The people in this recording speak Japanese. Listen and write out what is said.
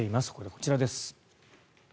こちらです。